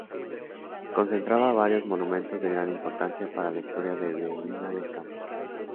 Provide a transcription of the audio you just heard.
Concentra varios monumentos de gran importancia para la historia de Medina del Campo.